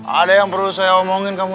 ada yang perlu saya omongin kamu